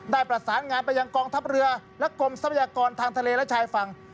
ประสานงานไปยังกองทัพเรือและกรมทรัพยากรทางทะเลและชายฝั่ง